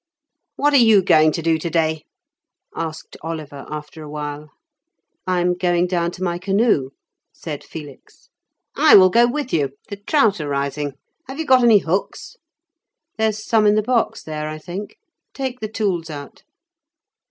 "What are you going to do to day?" asked Oliver, after awhile. "I am going down to my canoe," said Felix. "I will go with you; the trout are rising. Have you got any hooks?" "There's some in the box there, I think; take the tools out."